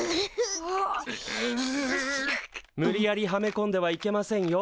無理やりはめこんではいけませんよ。